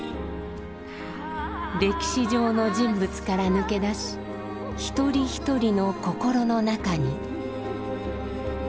歴史上の人物から抜け出し一人一人の心の中に。